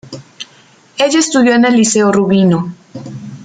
Ella estudio en el Liceo Rubino.